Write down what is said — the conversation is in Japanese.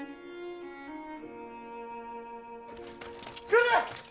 来る！